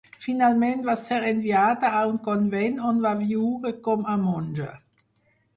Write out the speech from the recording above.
Finalment, va ser enviada a un convent on va viure com a monja.